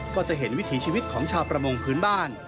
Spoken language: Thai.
ก็จะเห็นวิถีชีวิตของชาวประมงพื้นบ้าน